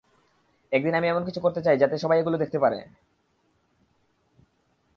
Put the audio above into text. একদিন আমি এমন কিছু করতে চাই যাতে সবাই এগুলো দেখতে পারে।